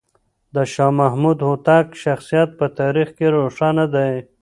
د شاه محمود هوتک شخصیت په تاریخ کې روښانه دی.